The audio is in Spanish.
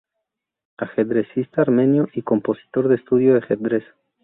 Ajedrecista armenio y compositor de estudios de ajedrez.